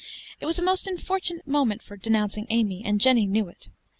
It was a most unfortunate moment for denouncing Amy, and Jenny knew it.